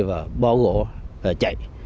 và bỏ gỗ và chạy